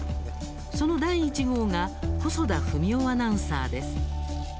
その第１号が細田史雄アナウンサーです。